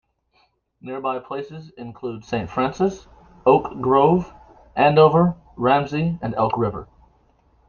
Nearby places include Saint Francis, Oak Grove, Andover, Ramsey, and Elk River.